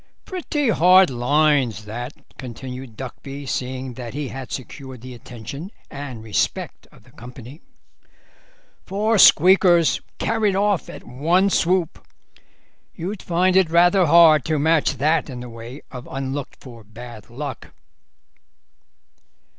"Pretty hard lines that," continued Duckby, seeing that he had secured the attention and respect of the company; "four squeakers carried off at one swoop. You'd find it rather hard to match that in the way of unlooked for bad luck."